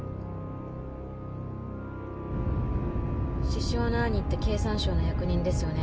獅子雄の兄って経産省の役人ですよね？